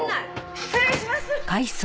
失礼します！